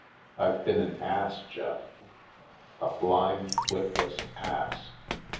I've been an ass, Jeff •— a blind, witless ass.